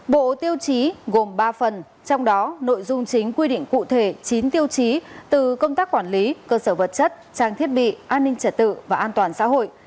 bộ tiêu chí gồm ba phần trong đó nội dung chính quy định cụ thể chín tiêu chí từ công tác quản lý cơ sở vật chất trang thiết bị an ninh trật tự và an toàn xã hội